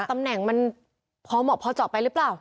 ตำแหน่งมันพอเหมาะพอเจาะไปหรือเปล่า